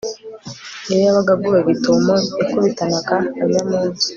iyo yabaga aguwe gitumo, yakubitanaga na nyamunsi